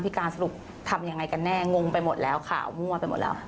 การสรุปทำยังไงกันแน่งงไปหมดแล้วข่าวมั่วไปหมดแล้ว